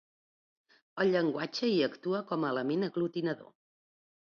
El llenguatge hi actua com a element aglutinador.